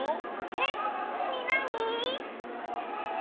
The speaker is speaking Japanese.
えなになに？